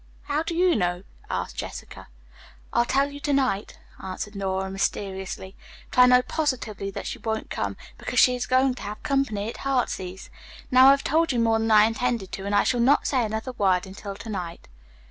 "How do you know?" asked Jessica. "I'll tell you to night," answered Nora mysteriously, "but I know positively that she won't come, because she is going to have company at 'Heartsease.' Now I've told you more than I intended to, and I shall not say another word until to night."